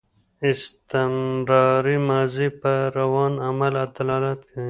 استمراري ماضي پر روان عمل دلالت کوي.